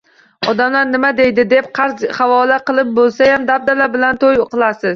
“Odamlar nima deydi”, deb qarz-qavola qilib bo‘lsayam, dabdaba bilan to‘y qilasiz.